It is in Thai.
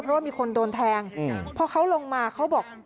เพราะว่ามีคนโดนแทงพอเขาลงมาเขาบอก